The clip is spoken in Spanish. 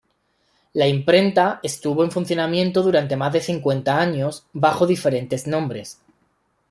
La imprenta estuvo en funcionamiento durante más de cincuenta años, bajo diferentes nombres.